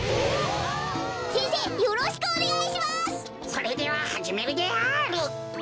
それでははじめるである。